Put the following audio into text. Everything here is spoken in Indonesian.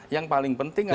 yang paling penting adalah